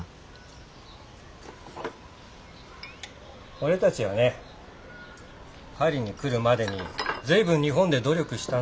俺たちはねパリに来るまでに随分日本で努力したんだ。